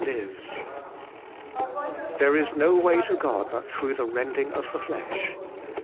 1 There is no way to God but through the rending of the flesh.